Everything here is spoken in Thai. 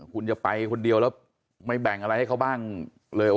คุณจะไปคนเดียวแล้วไม่แบ่งอะไรให้เขาบ้างเลย